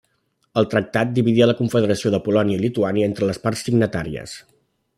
El tractat dividia la Confederació de Polònia i Lituània entre les parts signatàries.